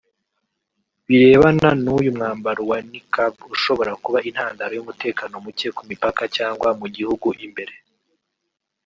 birebana n’uyu mwambaro wa Niqab ushobora kuba intandaro y’umutekano muke ku mipaka cyangwa mu gihugu imbere